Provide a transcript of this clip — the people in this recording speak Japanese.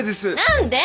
何で？